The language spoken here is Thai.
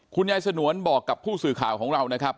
คุณยายสนวนบอกกับผู้สื่อข่าวของเรานะครับ